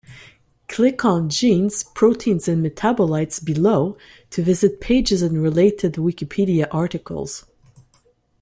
Click on genes, proteins and metabolites below to visit pages and related Wikipedia articles.